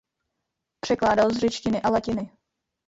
Překládal z řečtiny a latiny.